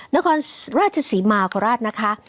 นครราชสีมาพราทนะคะ